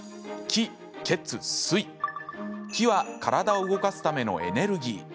気は体を動かすためのエネルギー。